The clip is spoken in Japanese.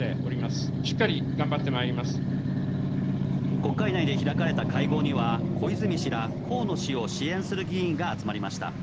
国会内で開かれた会合には、小泉氏ら河野氏を支援する議員が集まりました。